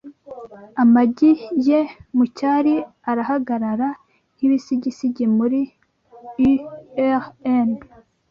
amagi ye mucyari arahagarara, Nkibisigisigi muri urn